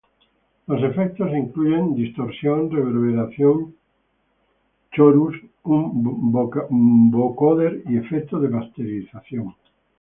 Los efectos incluyen distorsión, reverberación, chorus, un vocoder y efectos de masterización.